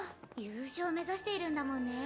優勝目指しているんだもんね。